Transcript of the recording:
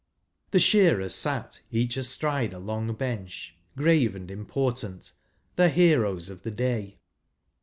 The shearers sat each astride on a long bench, grave and important — the heroes of the day.